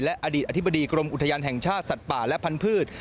อดีตอธิบดีกรมอุทยานแห่งชาติสัตว์ป่าและพันธุ์